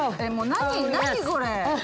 何これ。